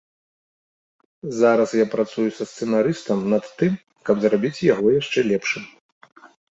Зараз я працую са сцэнарыстам над тым, каб зрабіць яго яшчэ лепшым.